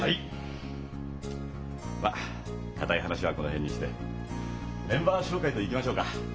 まあ硬い話はこの辺にしてメンバー紹介といきましょうか。